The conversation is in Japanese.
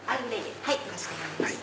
かしこまりました。